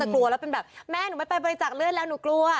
กลัวแล้วเป็นแบบแม่หนูไม่ไปบริจาคเลือดแล้วหนูกลัว